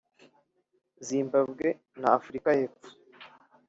Zimbabwe na Afurika y’Epfo